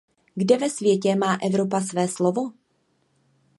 Kde ve světě má Evropa své slovo?